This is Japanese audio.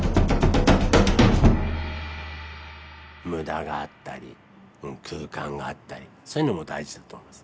無駄があったり空間があったりそういうのも大事だと思います。